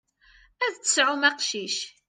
Ad d-tesɛum aqcic.